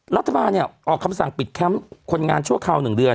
รัฐบาลเนี่ยออกคำสั่งปิดแคมป์คนงานชั่วคราว๑เดือน